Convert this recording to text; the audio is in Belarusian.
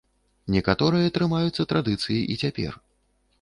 Некаторыя трымаюцца традыцыі і цяпер.